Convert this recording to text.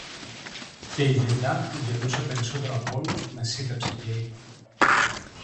Και η Γιαγιά, που γελούσε περισσότερο απ' όλους, μεσίτεψε και είπε: